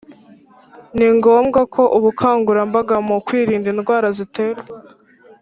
Ni ngombwa ko ubukangurambaga mu kwirinda indwara ziterwa